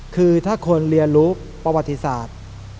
คือถ้าคนเรียนรู้ประวัติศาสตร์